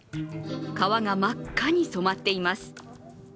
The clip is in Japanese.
川が真っ赤に染まっています。